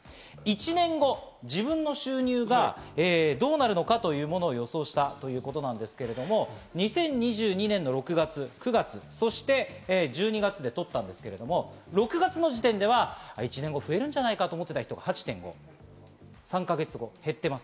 １年後、自分の収入がどうなるのかというものを予想したということなんですけど、２０２２年の６月、９月、そして１２月で取ったんですけど、６月時点では１年後に増えるんじゃないかと思っていた人が８．５、３か月後に減っています。